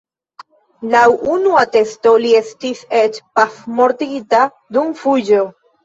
Laŭ unu atesto li estis eĉ pafmortigita dum fuĝo.